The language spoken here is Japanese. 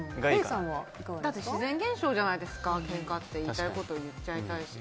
だって自然現象じゃないですかけんかって言いたいこと言っちゃいたいし。